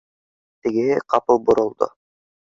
Тегеһе ҡапыл боролдо: